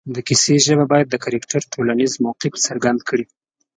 د کیسې ژبه باید د کرکټر ټولنیز موقف څرګند کړي